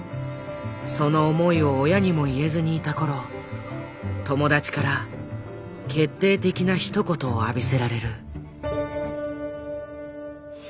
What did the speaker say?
その思いを親にも言えずにいた頃友達から決定的なひと言を浴びせられる。